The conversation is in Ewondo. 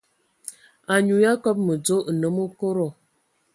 Anyu ya kɔbɔ mədzo, nnəm okodo.